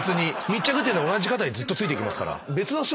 密着っていうのは同じ方にずっとついていきますから。